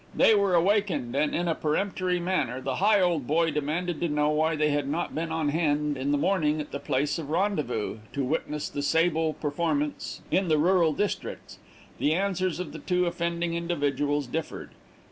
They were awakened, and, in a peremptory manner, the Higholdboy demanded to know why they had not been on hand in the morning at the place of rendezvous, to witness the sable performance in the rural districts. The answers of the two offending individuals differed.